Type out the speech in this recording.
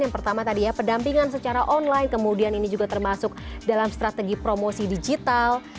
yang pertama tadi ya pendampingan secara online kemudian ini juga termasuk dalam strategi promosi digital